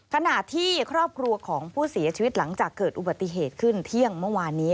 ขณะที่ครอบครัวของผู้เสียชีวิตหลังจากเกิดอุบัติเหตุขึ้นเที่ยงเมื่อวานนี้